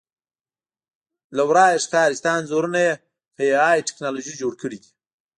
له ورایه ښکاري چې دا انځورونه یې په اې ائ ټکنالوژي جوړ کړي دي